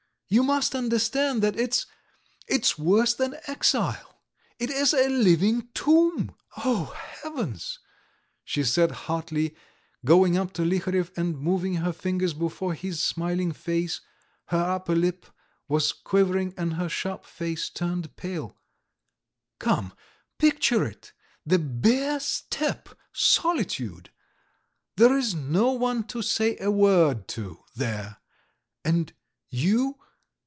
You must understand that it's ... it's worse than exile. It is a living tomb! O Heavens!" she said hotly, going up to Liharev and moving her fingers before his smiling face; her upper lip was quivering, and her sharp face turned pale, "Come, picture it, the bare steppe, solitude. There is no one to say a word to there, and you